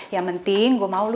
yang penting gue mau lu